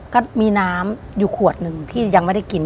ก็มีน้ำอยู่ขวดหนึ่งที่ยังไม่ได้กิน